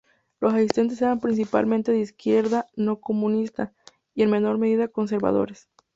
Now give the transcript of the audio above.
Los asistentes eran principalmente de izquierda no comunista y, en menor medida, conservadores.